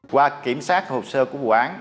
qua kiểm soát hồ sơ của vụ án